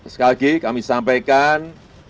sekali lagi kami sampaikan